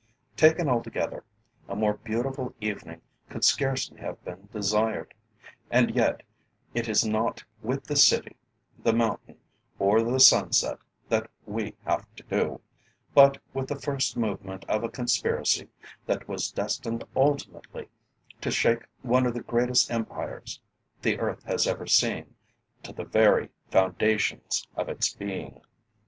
Taken altogether, a more beautiful evening could scarcely have been desired. And yet it is not with the city, the mountain, or the sunset, that we have to do, but with the first movement of a conspiracy that was destined ultimately to shake one of the greatest Empires, the earth has ever seen, to the very foundations of its being.